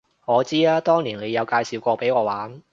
我知啊，當年你有介紹過畀我玩